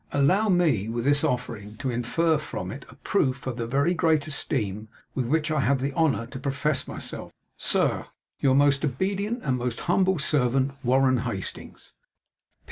Allow me, with this offering, to infer from it a proof of the very great esteem with which I have the honour to profess myself, Sir, Your most obedient And most humble servant, 'WARREN HASTINGS.'